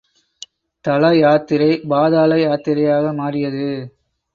தலயாத்திரை பாதள யாத்திரையாக மாறியது.